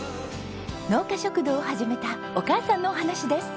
農家食堂を始めたお母さんのお話です。